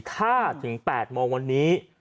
ถ้าถึง๘โมงวันนี้